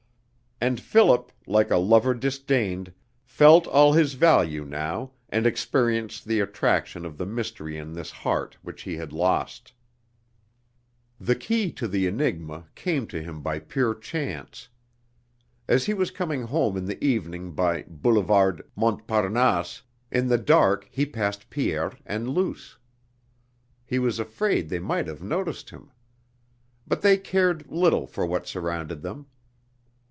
And Philip, like a lover disdained, felt all his value now and experienced the attraction of the mystery in this heart which he had lost. The key to the enigma came to him by pure chance. As he was coming home in the evening by Boulevard Montparnasse, in the dark he passed Pierre and Luce. He was afraid they might have noticed him. But they cared little for what surrounded them.